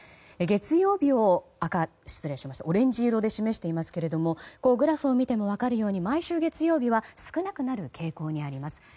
月曜日をオレンジ色で示していますがグラフを見ても分かるように毎週月曜日は少なくなる傾向にあります。